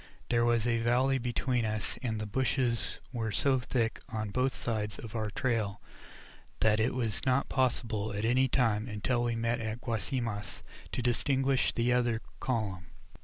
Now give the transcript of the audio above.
There was a valley between us, and the bushes were so thick on both sides of our trail that it was not possible at any time, until we met at Guasimas, to distinguish the other column.